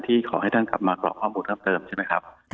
ขอให้ท่านกลับมากรอกข้อมูลเพิ่มเติมใช่ไหมครับ